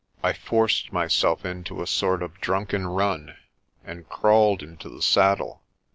I forced myself into a sort of drunken run, and crawled into the saddle.